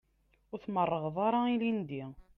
Ur tmerrɣeḍ ara ilindi.